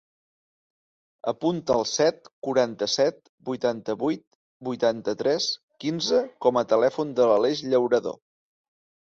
Apunta el set, quaranta-set, vuitanta-vuit, vint-i-tres, quinze com a telèfon de l'Aleix Llaurado.